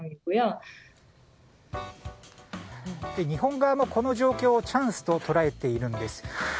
日本側もこの状況をチャンスと捉えているんです。